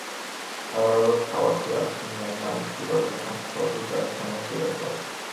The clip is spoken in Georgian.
სავარაუდოდ, ქალაქი არის მიანმარის პირველი სახელმწიფოებრივი გაერთიანების დედაქალაქი.